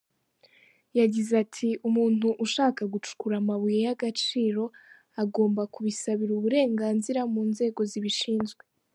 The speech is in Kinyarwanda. Yagize ati,"Umuntu ushaka gucukura amabuye y’agaciro agomba kubisabira uburenganzira mu nzego zibishinzwe.